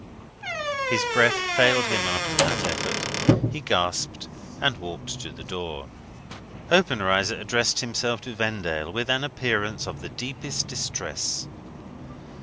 His breath failed him after that effort; he gasped, and walked to the door. Obenreizer addressed himself to Vendale with an appearance of the deepest distress.